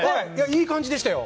いい感じでしたよ！